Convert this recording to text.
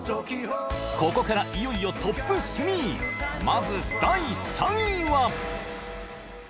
ここからいよいよトップ３まず第３位は？